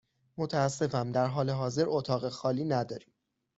متأسفم، در حال حاضر اتاق خالی نداریم.